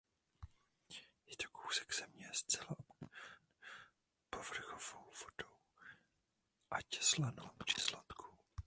Je to kousek země zcela obklopený povrchovou vodou ať slanou či sladkou.